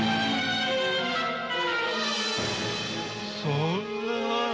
そんな。